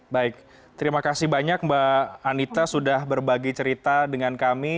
baik terima kasih banyak mbak anita sudah berbagi cerita dengan kami